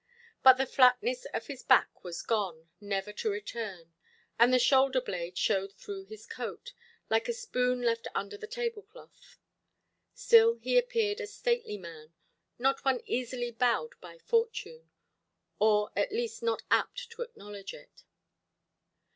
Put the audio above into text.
But the flatness of his back was gone, never to return; and the shoulder–blades showed through his coat, like a spoon left under the tablecloth. Still he appeared a stately man, one not easily bowed by fortune, or at least not apt to acknowledge it.